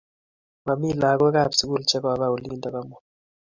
Mamie lagok ab sugul che koba olindok amut